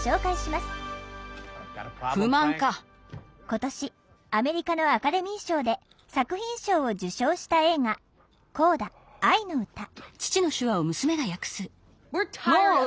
今年アメリカのアカデミー賞で作品賞を受賞した映画「コーダあいのうた」。